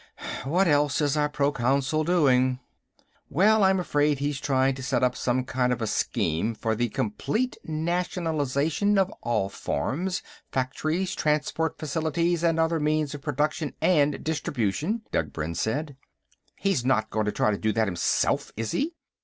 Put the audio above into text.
"What else is our Proconsul doing?" "Well, I'm afraid he's trying to set up some kind of a scheme for the complete nationalization of all farms, factories, transport facilities, and other means of production and distribution," Degbrend said. "He's not going to try to do that himself, is he?"